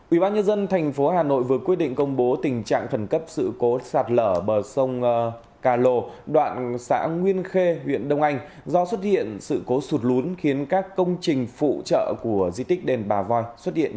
ubnd tp hà nội vừa quyết định công bố tình trạng khẩn cấp sự cố sạt lở bờ sông cà lồ đoạn xã nguyên khê huyện đông anh do xuất hiện sự cố sụt lún khiến các công trình phụ trợ của di tích đền bà voi xuất hiện